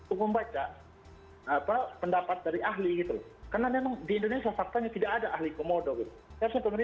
umum baca apa pendapat dari ahli itu karena memang di indonesia faktanya tidak ada ahli komodo itu